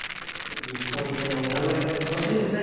日本一の唄声楽しみですね。